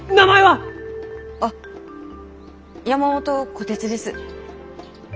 あっ山元虎鉄です。